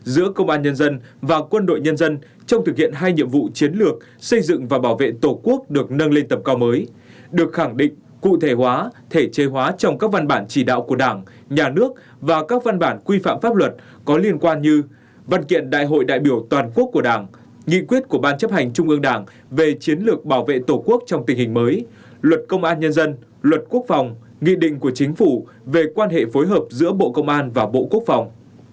giữa công an nhân dân và quân đội nhân dân trong thực hiện hai nhiệm vụ chiến lược xây dựng và bảo vệ tổ quốc được nâng lên tầm cao mới được khẳng định cụ thể hóa thể chế hóa trong các văn bản chỉ đạo của đảng nhà nước và các văn bản quy phạm pháp luật có liên quan như văn kiện đại hội đại biểu toàn quốc của đảng nghị quyết của ban chấp hành trung ương đảng về chiến lược bảo vệ tổ quốc trong tình hình mới luật công an nhân dân luật quốc phòng nghị định của chính phủ về quan hệ phối hợp giữa bộ công an và bộ quốc phòng